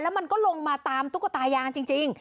มันก็ลงมาตามตุ๊กตายางจริง